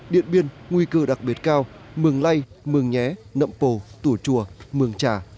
điện biên nguy cơ đặc biệt cao mường lây mường nhé nậm phổ tùa chùa mường trà